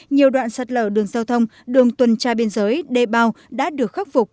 nhiều đoạn sát lở đường giao thông đường tuần tra biên giới đề bao đã được khắc phục